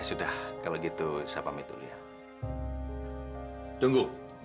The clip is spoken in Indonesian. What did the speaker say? sudah kalau gitu saya pamit tunggu tunggu